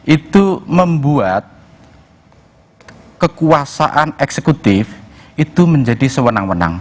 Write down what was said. itu membuat kekuasaan eksekutif itu menjadi sewenang wenang